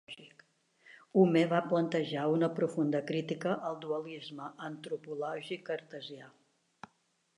Hume va plantejar una profunda crítica al dualisme antropològic cartesià.